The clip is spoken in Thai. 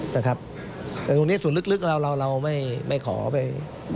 แต่ตรงนี้ส่วนลึกเราเราไม่ขอไป